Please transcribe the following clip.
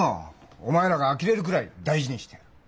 お前らがあきれるくらい大事にしてやる。